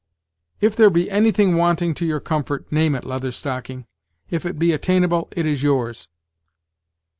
"If there be anything wanting to your comfort, name it, Leather Stocking; if it be attainable it is yours."